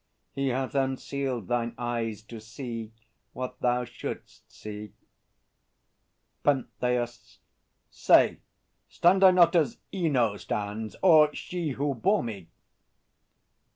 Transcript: He hath Unsealed thine eyes to see what thou shouldst see. PENTHEUS. Say; stand I not as Ino stands, or she Who bore me?